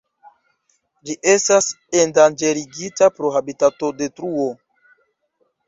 Ĝi estas endanĝerigita pro habitatodetruo.